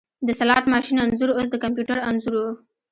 د سلاټ ماشین انځور اوس د کمپیوټر انځور و